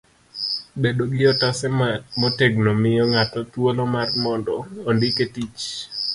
bedo gi otase motegno miyo ng'ato thuolo mar mondo ondike tich.